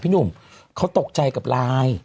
หนุ่มเขาตกใจกับไลน์